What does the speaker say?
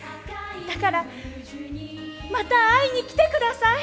だからまた会いに来て下さい。